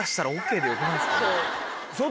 そう。